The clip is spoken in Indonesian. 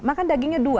makan dagingnya dua